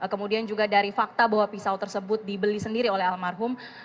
kemudian juga dari fakta bahwa pisau tersebut dibeli sendiri oleh almarhum